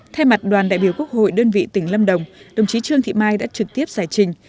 thay mặt đoàn đại biểu quốc hội đơn vị tỉnh lâm đồng đồng chí trương thị mai đã trực tiếp giải trình